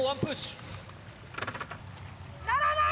鳴らない！